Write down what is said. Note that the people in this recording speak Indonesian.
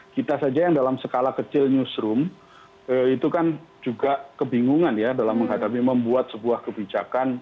kita saja yang dalam skala kecil newsroom itu kan juga kebingungan ya dalam menghadapi membuat sebuah kebijakan